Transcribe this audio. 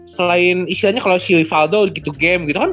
selain istilahnya kalau si rifaldo gitu game gitu kan